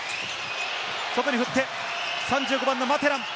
外に振って３５番のマテラン。